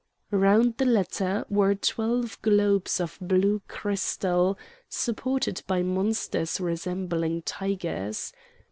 Round the latter were twelve globes of blue crystal, supported by monsters resembling tigers.